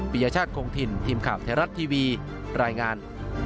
ปียชาติคงถิ่นทีมข่าวไทยรัฐทีวีรายงาน